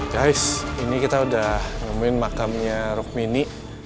guys ini kita udah nemuin makamnya buruk mini